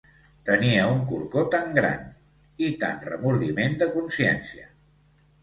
Tenia un corcó tant gran, i tant remordiment de consciencia